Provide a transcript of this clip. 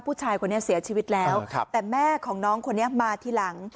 ผู้ชายคนนี้เสียชีวิตแล้วแต่แม่ของน้องคนนี้มาทีหลัง